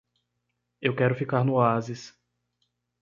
Eu quero ficar no oásis